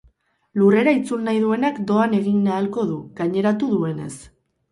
Lurrera itzul nahi duenak doan egin ahalko du, gaineratu duenez.